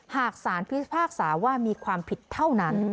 หากสารพิพากษาว่ามีความผิดเท่านั้น